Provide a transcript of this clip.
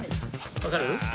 分かる？